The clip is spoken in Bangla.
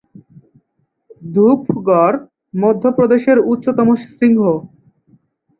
ধূপগড় মধ্যপ্রদেশের উচ্চতম শৃঙ্গ।